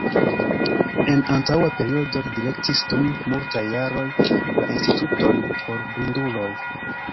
En antaŭa periodo li direktis dum multaj jaroj la Instituton por Blinduloj.